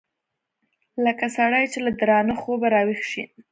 لکه سړى چې له درانه خوبه راويښ سي.